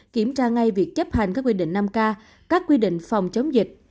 kiểm tra ngay việc chấp hành các quy định năm k các quy định phòng chống dịch